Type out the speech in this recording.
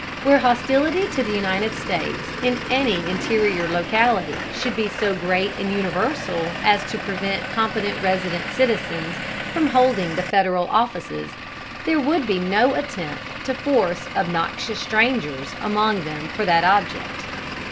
Where hostility to the United States in any interior locality should be so great and universal as to prevent competent resident citizens from holding the Federal offices, there would be no attempt to force obnoxious strangers among them for that object.